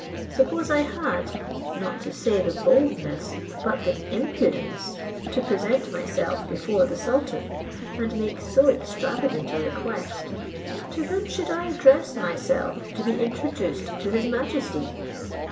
Suppose I had, not to say the boldness, but the impudence to present myself before the sultan, and make so extravagant a request, to whom should I address myself to be introduced to his majesty?